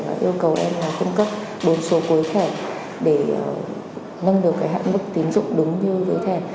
và yêu cầu em họ cung cấp bốn số cuối thẻ để nâng được cái hạng mức tín dụng đúng như với thẻ